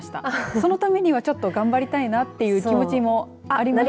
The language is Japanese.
そのためにはちょっと頑張りたいなという気持ちもあります。